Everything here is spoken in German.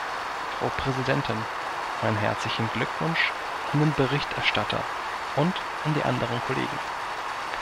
Frau Präsidentin, meinen herzlichen Glückwunsch an den Berichterstatter und an die anderen Kollegen.